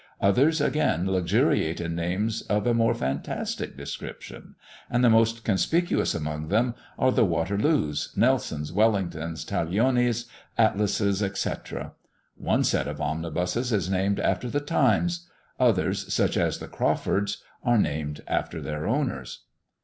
Others again luxuriate in names of a more fantastic description, and the most conspicuous among them are the Waterloos, Nelsons, Wellingtons, Taglionis, Atlases, etc. One set of omnibuses is named after the "Times"; others, such as the "Crawford's," are named after their owners.